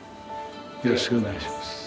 よろしくお願いします。